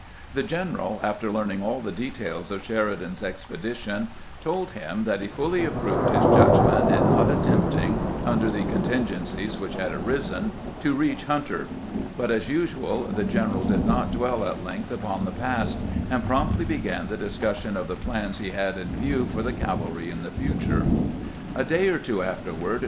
The general, after learning all the details of Sheridan's expedition, told him that he fully approved his judg ment in not attempting, under the contingencies which had arisen, to reach Hunter ; but, as usual, the general did not dwell at length upon the past, and promptly began the discussion of the plans he had in view for the cavalry in the future, A day or two afterward.